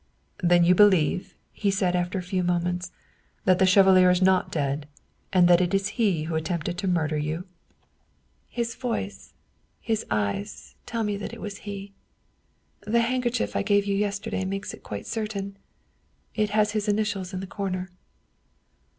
" Then you believe," he said after a few moments, " that the chevalier is not dead, and that it is he who attempted to murder you?" no Wilhelm Hauff " His voice, his eyes, tell me that it was he. The hand kerchief I gave you yesterday makes it quite certain. It had his initials in the corner."